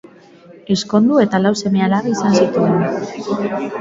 Ezkondu eta lau seme-alaba izan zituen.